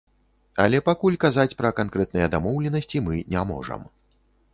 Але пакуль казаць пра канкрэтныя дамоўленасці мы не можам.